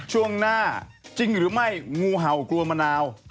ช่วงหน้าจริงหรือไม่งูเห่ากลัวมะนาว